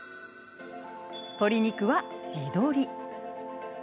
鶏肉は、地鶏。